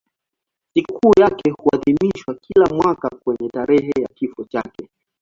Sikukuu yake huadhimishwa kila mwaka kwenye tarehe ya kifo chake.